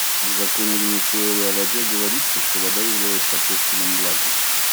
В законе Венесуэлы о воде говорится, что вода является общественным благом.